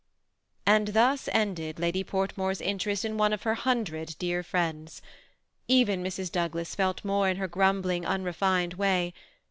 And thus ended Lady Portmore's interest in one of her hundred dear friends. Even Mrs. Douglas felt more in her grumbling, unrefined way.